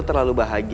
cos mengapalah aku